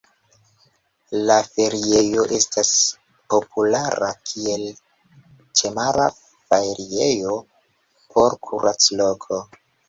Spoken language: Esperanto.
La feriejo estas populara kiel ĉemara feriejo por kuracloko.